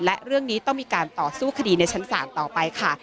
และเรื่องนี้ต้องมีการต่อสู้คดีในชั้นศาลต่อไปค่ะ